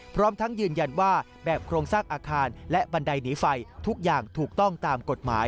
พร้อมทั้งยืนยันว่าแบบโครงสร้างอาคารและบันไดหนีไฟทุกอย่างถูกต้องตามกฎหมาย